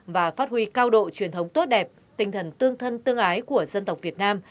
và phát huy cao độ truyền thống tốt đẹp tinh thần tương thân tương ái của dân tộc việt nam